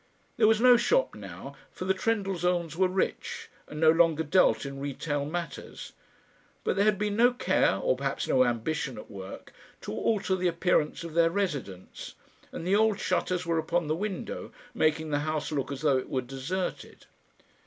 There was no shop now, for the Trendellsohns were rich, and no longer dealt in retail matters; but there had been no care, or perhaps no ambition, at work, to alter the appearance of their residence, and the old shutters were upon the window, making the house look as though it were deserted.